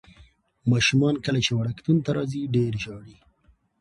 ماشومان کله چې وړکتون ته راځي ډېر ژاړي.